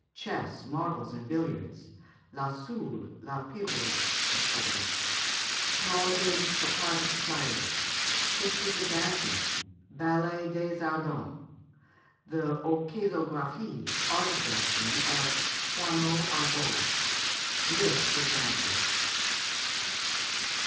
Chess, Marbles, and Billiards. La Soule, La Pirouette, &c. Small Games for Private Society. History of Dancing. Ballet des Ardents. The "Orchésographie" (Art of Dancing) of Thoinot Arbeau. List of Dances.